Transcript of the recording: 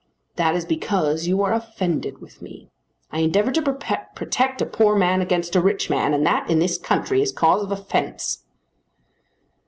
"That is because you are offended with me. I endeavoured to protect a poor man against a rich man, and that in this country is cause of offence."